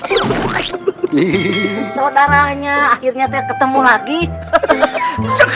saudaranya akhirnya ketemu lagi